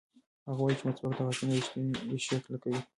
هغه وایي چې مسواک د غاښونو ریښې کلکوي.